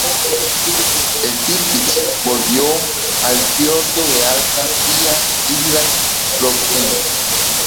El "Tirpitz" volvió al fiordo de Alta vía Islas Lofoten.